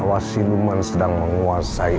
awas siluman sedang menguasai